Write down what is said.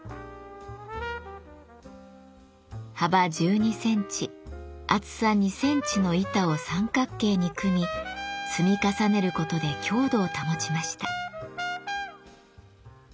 幅１２センチ厚さ２センチの板を三角形に組み積み重ねることで強度を保ちました。